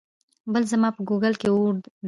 بل ځما په ګوګل اور وي